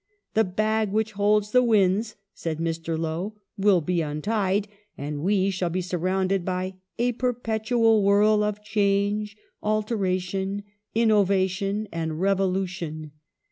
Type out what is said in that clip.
" The bag which holds the winds," said Mr. Lowe, " will be untied, and we shall be surrounded by a perpetual whu'l of change, alteration, innovation, and revolu tion."